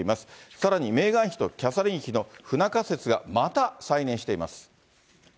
さらに、メーガン妃とキャサリン妃の不仲説が、また再燃しています。